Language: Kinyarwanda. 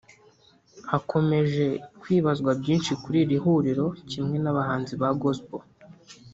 hakomeje kwibazwa byinshi kuri iri rihuriro kimwe n’ abahanzi ba gospel